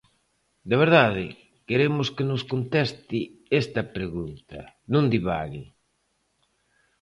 De verdade, queremos que nos conteste esta pregunta; non divague.